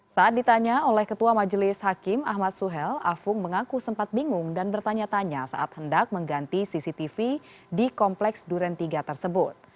saat ditanya oleh ketua majelis hakim ahmad suhel afung mengaku sempat bingung dan bertanya tanya saat hendak mengganti cctv di kompleks duren tiga tersebut